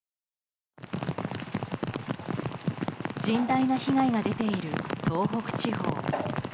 甚大な被害が出ている東北地方。